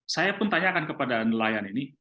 saya pun tanyakan kepada nelayan ini